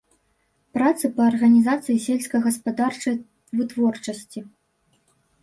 Працы па арганізацыі сельскагаспадарчай вытворчасці.